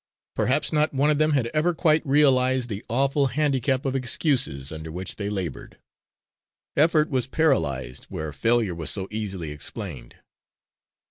Perhaps not one of them had ever quite realised the awful handicap of excuses under which they laboured. Effort was paralysed where failure was so easily explained.